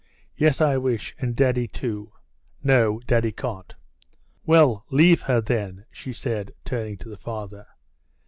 "Yes, I wish. And daddy, too." "No, daddy can't. Well, leave her then," she said, turning to the father.